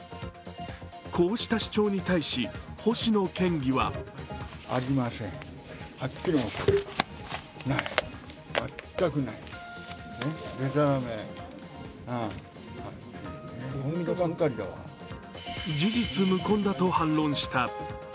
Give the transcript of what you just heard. こうした主張に対し星野県議は事実無根だと反論した。